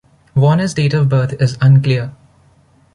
Warner's date of birth is unclear.